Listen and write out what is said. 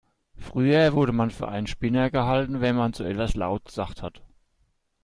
Früher wurde man für einen Spinner gehalten, wenn man so etwas laut gesagt hat.